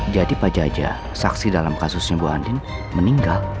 jadi pak jaja saksi dalam kasus bu adin meninggal